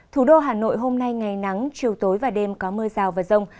thủ đô hà nội hôm nay ngày nắng chiều tối và đêm có mưa rào và rông